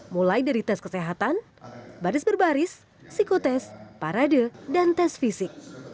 mulai dari tes kesehatan baris berbaris psikotest parade dan tes fisik